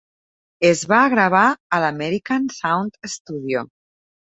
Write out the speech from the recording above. Es va gravar a l'American Sound Studio.